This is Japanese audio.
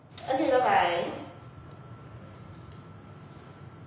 はい。